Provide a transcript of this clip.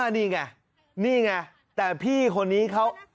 นี่ไงนี่ไงแต่พี่คนนี้เขา